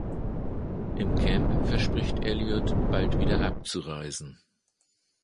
Im Camp verspricht Elliott, bald wieder abzureisen.